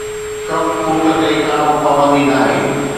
ڪف ڦوڪ تي به ڪا پابندي ناهي